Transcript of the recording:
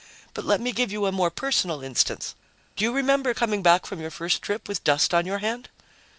But let me give you a more personal instance. Do you remember coming back from your first trip with dust on your hand?"